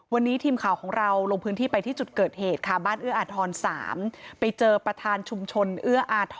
วันนี้ทีมข่าวของเราลงพื้นที่ไปที่จุดเกิดเหตุ